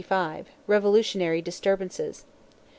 Revolutionary disturbances.